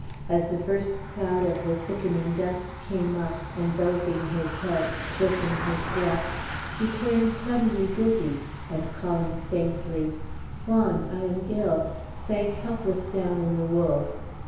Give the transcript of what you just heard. As the first cloud of the sickening dust came up, enveloping his head, choking his breath, he turned suddenly dizzy, and calling faintly, "Juan, I am ill," sank helpless down in the wool.